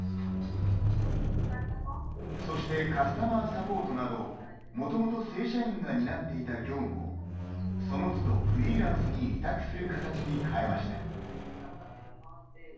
そしてカスタマーサポートなどもともと正社員が担っていた業務をその都度フリーランスに委託する形に変えました。